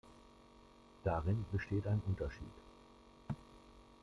Darin besteht ein Unterschied.